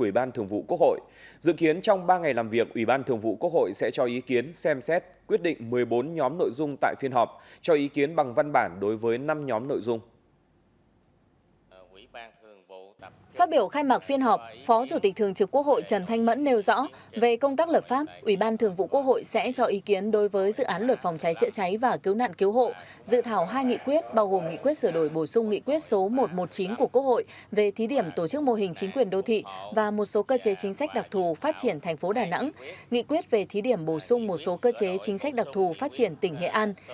ủy ban thường vụ quốc hội trần thanh mẫn nêu rõ về công tác lập pháp ủy ban thường vụ quốc hội sẽ cho ý kiến đối với dự án luật phòng cháy chữa cháy và cứu nạn cứu hộ dự thảo hai nghị quyết bao gồm nghị quyết sửa đổi bổ sung nghị quyết số một trăm một mươi chín của quốc hội về thí điểm tổ chức mô hình chính quyền đô thị và một số cơ chế chính sách đặc thù phát triển thành phố đà nẵng nghị quyết về thí điểm bổ sung một số cơ chế chính sách đặc thù phát triển tỉnh nghệ an